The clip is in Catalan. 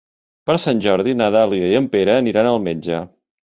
Per Sant Jordi na Dàlia i en Pere aniran al metge.